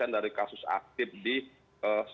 dari kasus aktif di eee